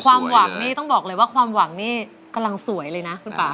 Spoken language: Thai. ความหวังนี่ต้องบอกเลยว่าความหวังนี่กำลังสวยเลยนะคุณป่า